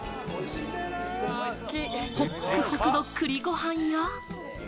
ホックホクの栗ご飯や。